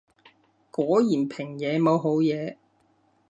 果然平嘢冇好嘢